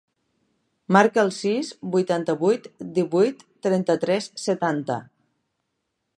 Marca el sis, vuitanta-vuit, divuit, trenta-tres, setanta.